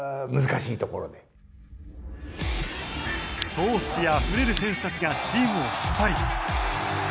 闘志あふれる選手たちがチームを引っ張り。